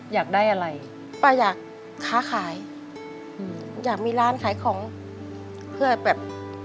อยากได้อะไรป้าอยากค้าขายอืมอยากมีร้านขายของเพื่อแบบ